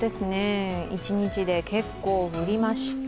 一日で結構降りました。